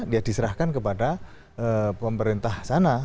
ya diserahkan kepada pemerintah sana